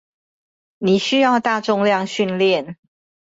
你需要大重量訓練